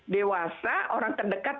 dewasa orang terdekat